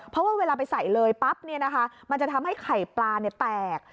เพราะว่าเวลาไปใส่เลยปั๊บเนี่ยนะคะมันจะทำให้ไข่ปลาเนี่ยแตก